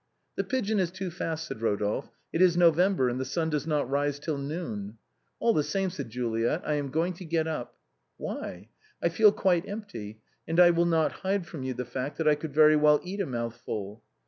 " The pigeon is too fast/' said Rodolphe. " It is No vember, and the sun does not rise till noon." " All the same/' said Juliet, " I am going to get up.'* "Why?" " I feel quite empty, and I will not hide from you the fact that I could very well eat a mouthful."